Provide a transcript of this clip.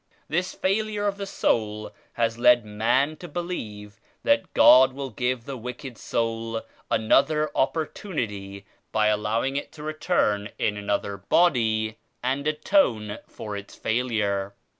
This failure of the soul has led man to believe that God will give the wicked soul another opportunity by allowing it to return in another body and atone for its failure.